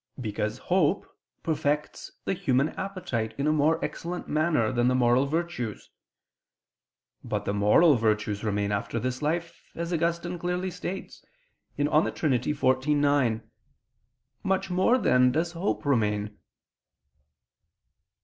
Because hope perfects the human appetite in a more excellent manner than the moral virtues. But the moral virtues remain after this life, as Augustine clearly states (De Trin. xiv, 9). Much more then does hope remain.